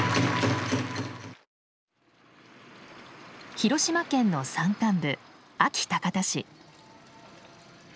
広島県の山間部安芸高田市。